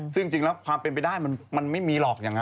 ซึ่งจริงแล้วความเป็นไปได้มันไม่มีหรอกอย่างนั้น